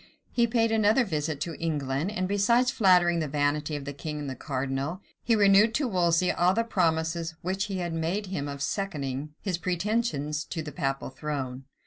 He paid another visit to England; and besides flattering the vanity of the king and the cardinal, he renewed to Wolsey all the promises which he had made him of seconding his pretensions to the papal throne.